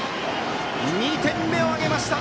２点目を挙げました